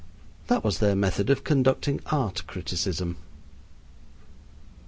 That was their method of conducting art criticism.